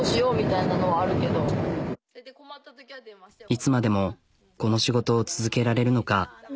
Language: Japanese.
いつまでもこの仕事を続けられるのか。